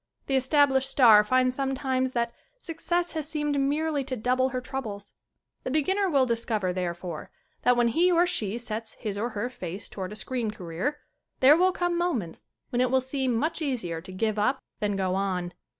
The established star finds some times that success has seemed merely to double her troubles. The beginner will discover, therefore, that when he or she sets his or her face toward a screen career there will come moments when it will seem much easier to give up than go on.